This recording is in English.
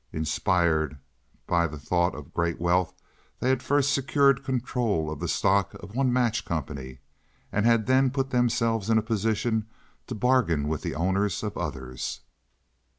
Inspired by the thought of great wealth, they had first secured control of the stock of one match company, and had then put themselves in a position to bargain with the owners of others.